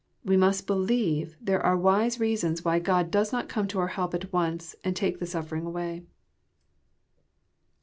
We must believe there are wise reasons why Gk)d does not come to our help at once and tal^ the sufTering away.